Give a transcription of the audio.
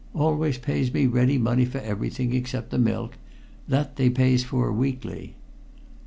Always pays me ready money for everythink, except the milk. That they pays for weekly."